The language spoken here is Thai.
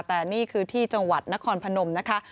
แต่นี่คือที่จังหวัดนครพนมนะคะ